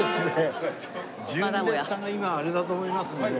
純烈さんが今あれだと思いますんで。